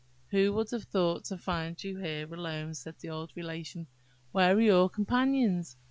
"Who would have thought to find you here alone?" said the old Relation. "Where are your companions?"